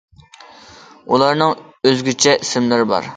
ئۇلارنىڭ ئۆزگىچە ئىسىملىرى بار.